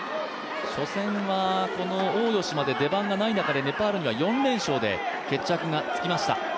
初戦は、この大吉まで出番がない中でネパールには４連勝で決着がつきました。